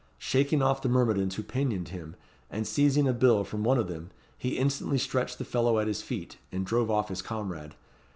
Shaking off the myrmidons who pinioned him, and seizing a bill from one of them, he instantly stretched the fellow at his feet, and drove off his comrade.